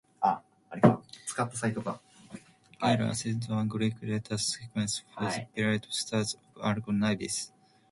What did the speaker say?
Lacaille assigned one Greek letter sequence for the bright stars of Argo Navis.